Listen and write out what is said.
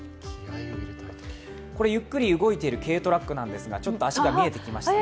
これゆっくり動いている軽トラックですがちょっと脚が見えてきました。